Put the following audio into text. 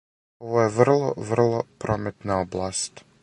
Ово је врло, врло прометна област...